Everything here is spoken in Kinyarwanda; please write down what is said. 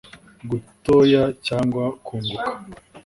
gutoya cyangwa kunguka;